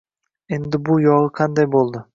Endi bu yog`i qanday bo`ldi